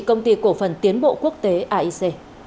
công ty cổ phần tiến bộ quốc tế aic